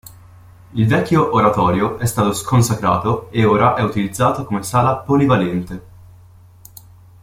Il vecchio oratorio è stato sconsacrato e ora è utilizzato come sala polivalente.